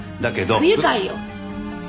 不愉快よ！